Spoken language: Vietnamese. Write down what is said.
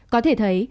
có thể thấy